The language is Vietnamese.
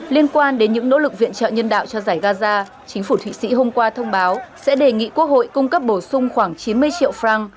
liên quan đến những nỗ lực viện trợ nhân đạo cho giải gaza chính phủ thụy sĩ hôm qua thông báo sẽ đề nghị quốc hội cung cấp bổ sung khoảng chín mươi triệu franc